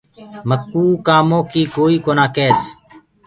مڪوُ ڪآمو ڪيٚ ڪوئي ڪونآ ڪيس۔